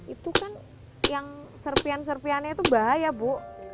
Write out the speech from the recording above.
itu kan yang serpian serpiannya itu bahaya bu